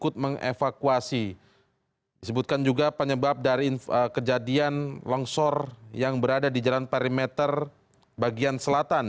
disebutkan juga penyebab dari kejadian longsor yang berada di jalan perimeter bagian selatan